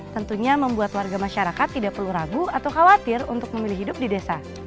tentunya membuat warga masyarakat tidak perlu ragu atau khawatir untuk memilih hidup di desa